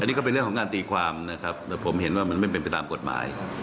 นี่ก็เป็นเรื่องของการตีความนะครับแต่ผมเห็นว่ามันไม่เป็นไปตามกฎหมาย